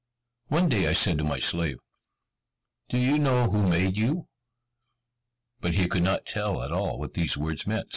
One day I said to my slave, "Do you know who made you?" But he could not tell at all what these words meant.